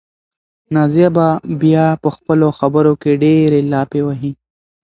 نازیه به بیا په خپلو خبرو کې ډېرې لافې وهي.